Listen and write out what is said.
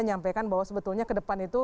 menyampaikan bahwa sebetulnya ke depan itu